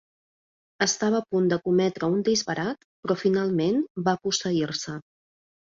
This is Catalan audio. Estava a punt de cometre un disbarat però finalment va posseir-se.